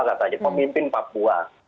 katanya pemimpin papua